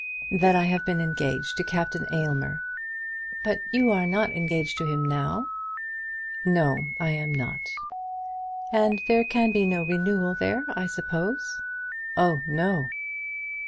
"That I have been engaged to Captain Aylmer." "But you are not engaged to him now." "No I am not." "And there can be no renewal there, I suppose?" "Oh, no!"